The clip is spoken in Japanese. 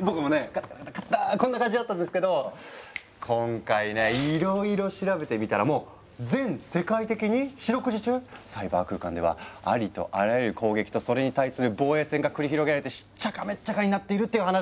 僕もねカタカタカタカッターンこんな感じだったんですけど今回ねいろいろ調べてみたらもう全世界的に四六時中サイバー空間ではありとあらゆる攻撃とそれに対する防衛戦が繰り広げられてしっちゃかめっちゃかになっているっていう話で。